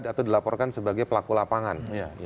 atau dilaporkan sebagai pelaku lapangan